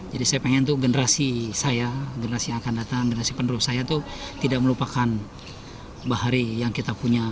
jadi saya pengen tuh generasi saya generasi yang akan datang generasi penduduk saya tuh tidak melupakan bahari yang kita punya